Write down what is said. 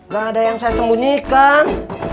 gak ada yang saya sembunyikan